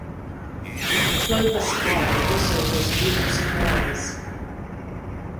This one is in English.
Clovis High also has numerous choirs.